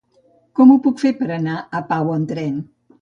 Com ho puc fer per anar a Pau amb tren?